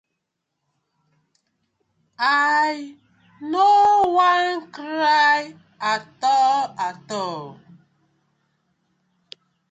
I no won cry atol atol.